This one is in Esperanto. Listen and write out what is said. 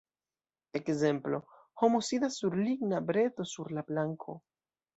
Ekzemplo: Homo sidas sur ligna breto sur la planko.